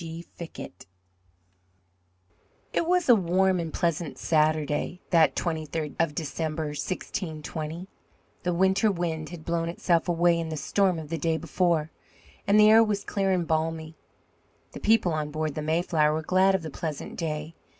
G. FICKETT It was a warm and pleasant Saturday that twenty third of December, 1620. The winter wind had blown itself away in the storm of the day before, and the air was clear and balmy. The people on board the Mayflower were glad of the pleasant day.